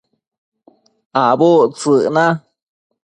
Abudtsëc na